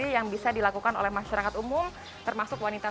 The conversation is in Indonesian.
yang bisa dilakukan oleh masyarakat umum termasuk wanita